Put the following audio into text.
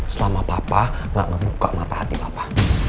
selama papa gak membuka mata hati bapak